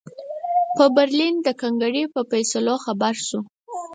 په برلین د کنګرې په فیصلو خبر شو.